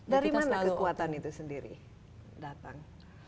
dari mana kekuatan itu sendiri datang